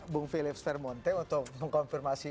dengan velex permonte untuk mengkonfirmasi